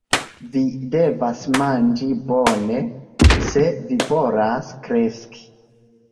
Vi devas manĝi bone, se vi volas kreski.